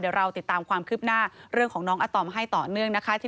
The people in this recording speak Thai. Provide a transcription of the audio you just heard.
เดี๋ยวเราติดตามความคืบหน้าเรื่องของน้องอาตอมให้ต่อเนื่องนะคะ